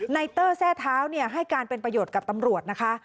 เตอร์แทร่เท้าให้การเป็นประโยชน์กับตำรวจนะคะ